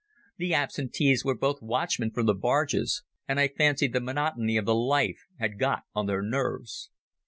The absentees were both watchmen from the barges, and I fancy the monotony of the life had got on their nerves.